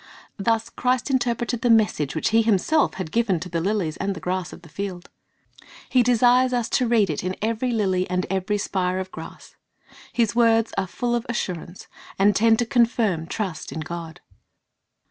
^ Thus Christ interpreted the message which He Himself had given to the lilies and the grass of the field. He desires us to read it in every lily and every spire of grass. His words are full of assurance, and tend to confirm trust in God.